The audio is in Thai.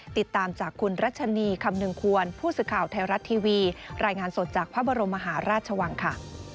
ติดตามจากคุณรัชนีคำนึงควรผู้สื่อข่าวไทยรัฐทีวีรายงานสดจากพระบรมมหาราชวังค่ะ